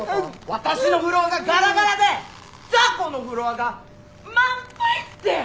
私のフロアがガラガラで雑魚のフロアが満杯って！